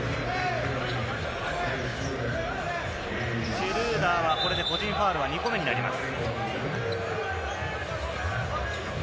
シュルーダーは、これで個人ファウルは２個目になります。